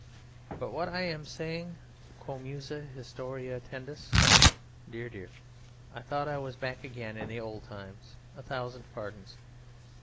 But what am I saying quo Musa Historiae tendis? dear! dear! I thought I was back again in the old times! a thousand pardons.